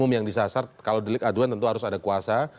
hukum yang disasar kalau delik aduan tentu harus ada kuasa